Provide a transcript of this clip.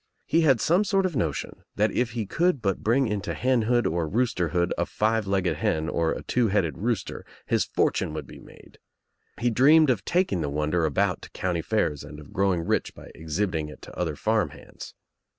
He had some sort of notion that if he could but bring into henhood or roosterhood a five legged hen or a two headed rooster his fortune would be made. He dreamed of taking the wonder about to county fairs and of growing rich by exhibiting it to other farm hands.